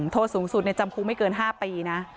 โทษสูงสุดในจำคุกไม่เกิน๕ปีนะ